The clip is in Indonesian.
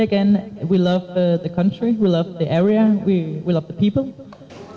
kami suka negara kita suka area kita suka orang